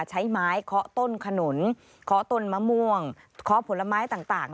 ใช้ไม้เคาะต้นขนุนเคาะต้นมะม่วงเคาะผลไม้ต่าง